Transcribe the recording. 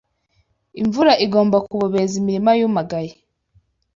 Imvura igomba kubobeza imirima yumagaye